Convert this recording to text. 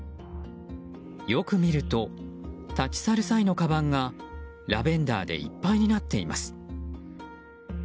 よく見ると立ち去る際のかばんがラベンダーでいっぱいになっています。